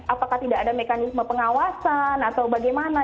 apakah tidak ada mekanisme pengawasan atau bagaimana